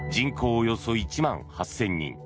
およそ１万８０００人。